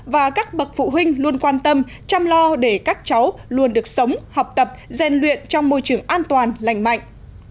và các bậc phụ huynh luôn quan tâm chăm lo để các cháu luôn được sống học tập gian luyện trong môi trường an toàn lành mạnh